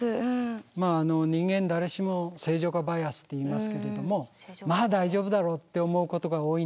まあ人間誰しも正常化バイアスっていいますけれどもまあ大丈夫だろうって思うことが多いんですよね。